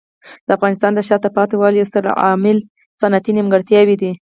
د افغانستان د شاته پاتې والي یو ستر عامل صنعتي نیمګړتیاوې دي.